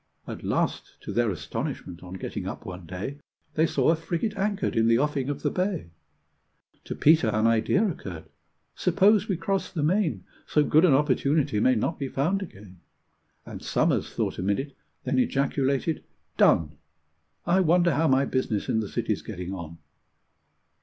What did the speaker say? At last, to their astonishment, on getting up one day, They saw a frigate anchored in the offing of the bay. To Peter an idea occurred. "Suppose we cross the main? So good an opportunity may not be found again." And Somers thought a minute, then ejaculated, "Done! I wonder how my business in the City's getting on?"